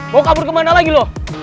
mau kabur kemana lagi loh